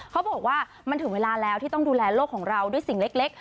เขาบอกว่ามันถึงเวลาแล้วที่ต้องดูแลโลกของเราด้วยสิ่งเล็ก